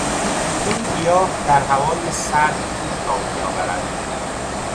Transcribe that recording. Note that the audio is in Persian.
این گیاه در هوای سرد خوب تاب میآورد.